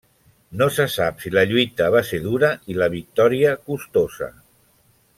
No se sap si la lluita va ser dura i la victòria costosa.